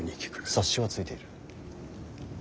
察しはついている。